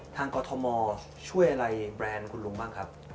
ทางกอทโทมอล์ช่วยอะไรแบรนด์คุณลุงบ้างครับ